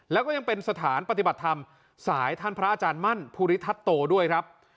แล้วก็ยังเป็นสถานปฏิบัติธรรมสายท่านพระอาจารย์มั่นภูริทัศโตด้วยครับ